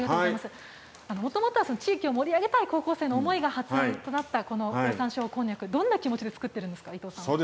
もともとは地域を盛り上げたい高校生の思いが発案となったこのオオサンショウウオこんにゃくどんな気持ちで作っていますか？